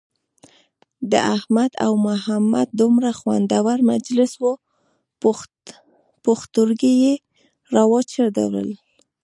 د احمد او محمد دومره خوندور مجلس وو پوښتورگي یې را وچاودل.